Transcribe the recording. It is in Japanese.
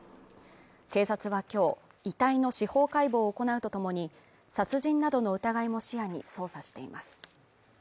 警察は今日、遺体の司法解剖を行うとともに、殺人などの疑いも視野に捜査しています。